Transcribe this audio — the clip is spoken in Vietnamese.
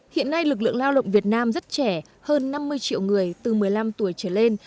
hiện nay lực lượng lao động việt nam rất trẻ hơn năm mươi triệu người từ một mươi năm tuổi trở lên